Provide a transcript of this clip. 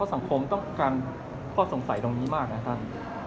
สังคมต้องการข้อสงสัยตรงนี้มากนะครับท่าน